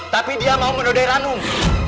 tapi dia mau menodai danung